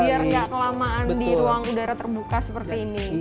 biar gak kelamaan di ruang udara terbuka seperti ini